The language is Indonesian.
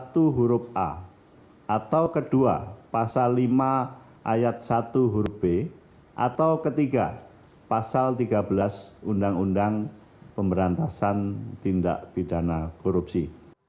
terhadap hukum jaksa psm disangka melakukan tindak pidana korupsi